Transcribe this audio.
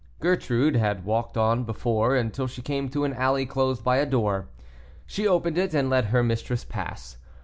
Gertrude had walked on before, until she came to an alley closed by a door. She opened it, and let her mistress pass.